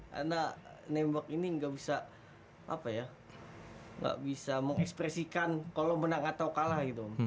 karena nembak ini nggak bisa apa ya nggak bisa mengekspresikan kalau menang atau kalah gitu